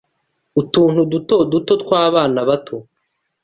Utuntu duto duto twabana bato